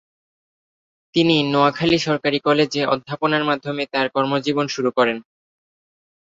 তিনি নোয়াখালী সরকারি কলেজে অধ্যাপনার মাধ্যমে তার কর্মজীবন শুরু করেন।